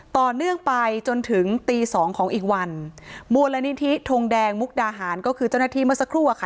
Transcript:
ต่อเนื่องไปจนถึงตีสองของอีกวันมูลนิธิทงแดงมุกดาหารก็คือเจ้าหน้าที่เมื่อสักครู่อะค่ะ